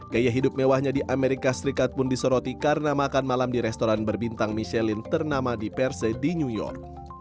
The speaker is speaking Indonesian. gaya hidup mewahnya di amerika serikat pun disoroti karena makan malam di restoran berbintang michelin ternama di perse di new york